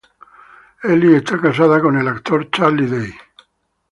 Ellis está casada con el actor Charlie Day.